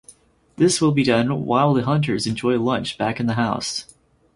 This will be done while the hunters enjoy lunch back in the house.